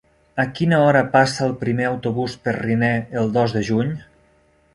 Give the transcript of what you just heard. A quina hora passa el primer autobús per Riner el dos de juny?